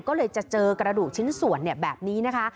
ก็เลยจะเจอกระดูกชิ้นส่วนแบบนี้นะคะ